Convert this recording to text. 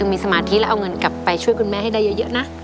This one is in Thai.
มีสมาธิเอาเงินไปช่วยคุณแม่ให้ได้เยอะนะ